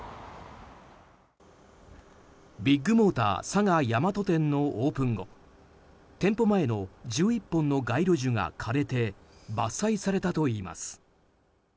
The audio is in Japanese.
ビッグモーター佐賀大和店のオープン後店舗前の１１本の街路樹が枯れて伐採されたといいます。